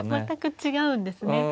全く違うんですね